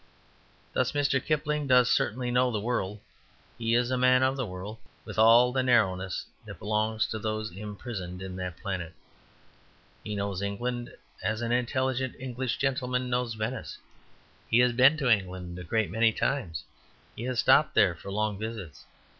Thus Mr. Kipling does certainly know the world; he is a man of the world, with all the narrowness that belongs to those imprisoned in that planet. He knows England as an intelligent English gentleman knows Venice. He has been to England a great many times; he has stopped there for long visits.